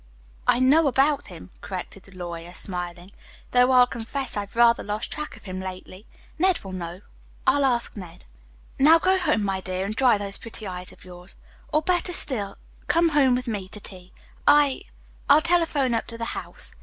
"I know about him," corrected the lawyer, smilingly, "though I'll confess I've rather lost track of him lately. Ned will know. I'll ask Ned. Now go home, my dear, and dry those pretty eyes of yours. Or, better still, come home with me to tea. I I'll telephone up to the house."